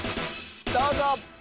どうぞ！